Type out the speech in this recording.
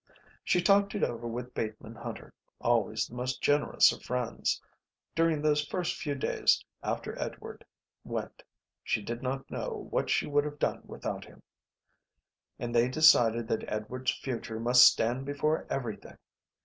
She talked it over with Bateman Hunter, always the most generous of friends (during those first few days after Edward went she did not know what she would have done without him), and they decided that Edward's future must stand before everything.